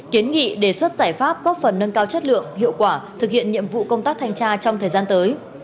kiến nghị đề xuất giải pháp góp phần nâng cao chất lượng hiệu quả thực hiện nhiệm vụ công tác thanh tra trong thời gian tới